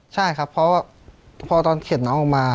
ใช่ครับเพราะว่าพอตอนเข็ดน้องออกมา